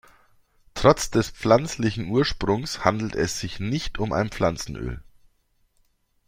Trotz des pflanzlichen Ursprungs handelt es sich nicht um ein Pflanzenöl.